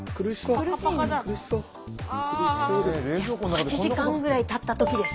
８時間ぐらいたった時です。